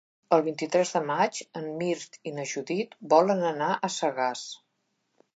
El vint-i-tres de maig en Mirt i na Judit volen anar a Sagàs.